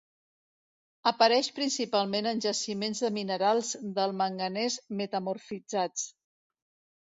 Apareix principalment en jaciments de minerals del manganès metamorfitzats.